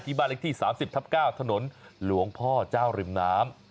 บ้านเล็กที่๓๐ทับ๙ถนนหลวงพ่อเจ้าริมน้ำ